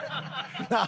なあ。